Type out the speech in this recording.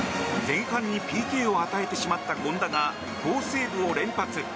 前半にＰＫを与えてしまった権田が好セーブを連発。